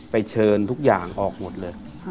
เชิญทุกอย่างออกหมดเลย